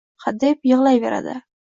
Hadeb yig`layveradi